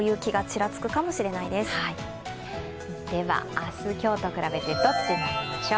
明日、今日と比べてどっちなんでしょう？